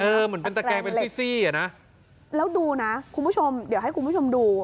เหมือนเป็นตะแกงเป็นซี่ซี่อ่ะนะแล้วดูนะคุณผู้ชมเดี๋ยวให้คุณผู้ชมดู